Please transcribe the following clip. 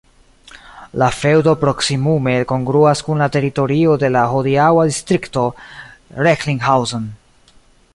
La feŭdo proksimume kongruas kun la teritorio de la hodiaŭa distrikto Recklinghausen.